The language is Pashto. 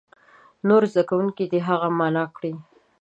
نور زده کوونکي دې هغه معنا کړي.